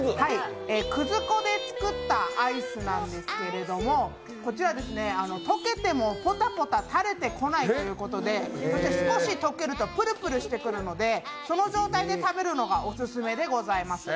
くず粉で作ったアイスなんですけれども、溶けてもポタポタ垂れてこないということで、少し溶けるとプルプルしてくるのでその状態で食べるのがオススメでございます。